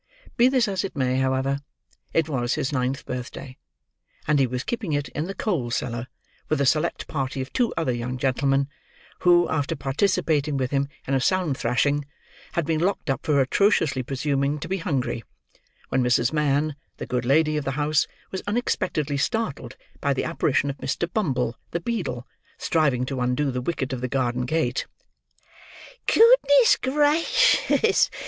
Be this as it may, however, it was his ninth birthday; and he was keeping it in the coal cellar with a select party of two other young gentleman, who, after participating with him in a sound thrashing, had been locked up for atrociously presuming to be hungry, when Mrs. Mann, the good lady of the house, was unexpectedly startled by the apparition of Mr. Bumble, the beadle, striving to undo the wicket of the garden gate. "Goodness gracious!